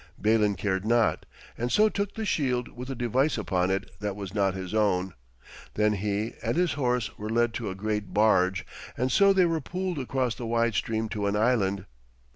Balin cared not, and so took the shield with a device upon it that was not his own. Then he and his horse were led to a great barge, and so they were poled across the wide stream to an island.